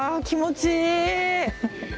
気持ちいい。